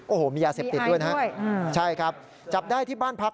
โอ้โหมียาเสพติดด้วยนะฮะใช่ครับจับได้ที่บ้านพัก